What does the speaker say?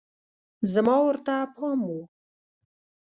زما ورته پام و